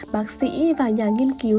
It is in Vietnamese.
bác sĩ và nhà nghiên cứu